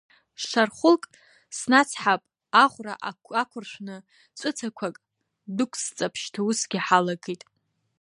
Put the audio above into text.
Шар хәылк снацҳап, аӷәра ақәыршәны ҵәыцақәак дәықәсҵап, шьҭа усгьы ҳалагеит.